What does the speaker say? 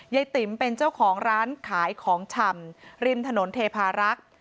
ติ๋มเป็นเจ้าของร้านขายของชำริมถนนเทพารักษ์